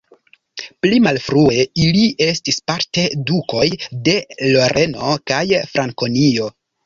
Pli malfrue ili estis parte dukoj de Loreno kaj Frankonio.